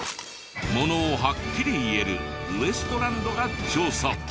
ものをハッキリ言えるウエストランドが調査。